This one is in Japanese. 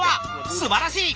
すばらしい！